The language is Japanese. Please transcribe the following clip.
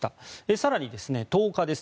更に１０日です。